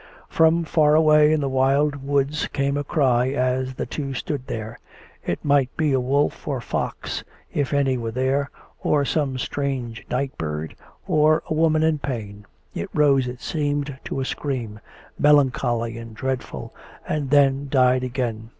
From far away in the wild woods came a cry as the two stood there. It might be a wolf or fox, if any were there, or some strange night bird, or a woman in pain. It rose. COME RACK! COME ROPE! 25 it seemed, to a scream, melancholy and dreadful, and then died again.